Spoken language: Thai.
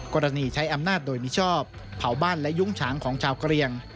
กรณีใช้อำนาจโดยมิชอบเผาบ้านและยุ้งฉางของชาวกะเรียง